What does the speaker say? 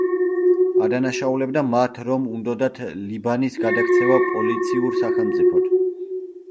ადანაშაულებდა მათ, რომ უნდოდათ ლიბანის გადაქცევა „პოლიციურ სახელმწიფოდ“.